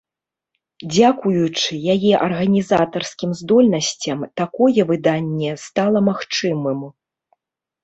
Дзякуючы яе арганізатарскім здольнасцям такое выданне стала магчымым.